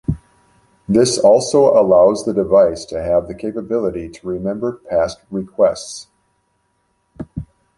This also allows the device to have the capability to remember past requests.